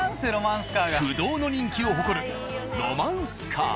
不動の人気を誇るロマンスカー。